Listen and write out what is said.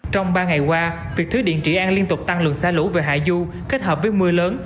trong ba ngày qua việc thủy điện trị an liên tục tăng lượng xả lũ về hạ du kết hợp với mưa lớn